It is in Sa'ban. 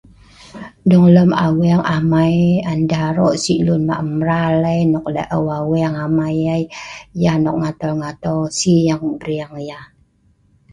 Dong lem aweeng amai an deh aro' si' lun ma'mral ai nok la'au amai ai, yeh nok ngatol ngatol sieng brieng yeh.